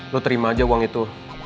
lu terima aja uang itu